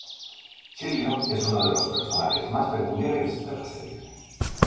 Silvio es uno de los personajes más peculiares de la serie.